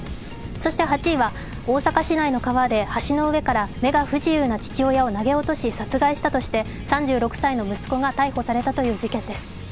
そして８位は、大阪市内の川で橋の上から目が不自由な父を投げ落とし殺害したとして３６歳の息子が逮捕されたという事件です。